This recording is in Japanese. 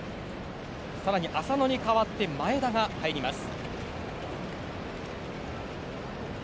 更に、浅野に代わって前田が入ります。